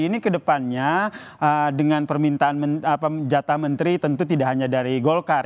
ini kedepannya dengan permintaan jatah menteri tentu tidak hanya dari golkar